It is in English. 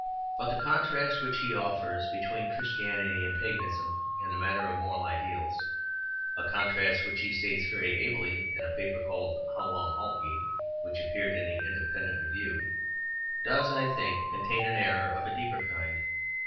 But the contrast which he offers between Christianity and Paganism in the matter of moral ideals a contrast which he states very ably in a paper called "How long halt ye?" which appeared in the Independent Review does, I think, contain an error of a deeper kind.